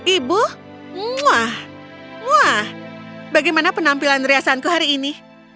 ibu bagaimana penampilan riasanku hari ini